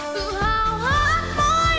tự hào hát mới